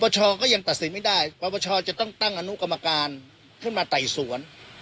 บัวชอก็ยังตัดสินไม่ได้บัวชอว์จะต้องตั้งอนุกรรมการเพื่อมาไต่สวน